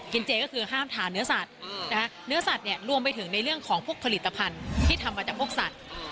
เจก็คือห้ามทานเนื้อสัตว์นะคะเนื้อสัตว์เนี่ยรวมไปถึงในเรื่องของพวกผลิตภัณฑ์ที่ทำมาจากพวกสัตว์